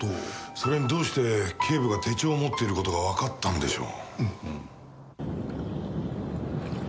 それにどうして警部が手帳を持っている事がわかったんでしょう？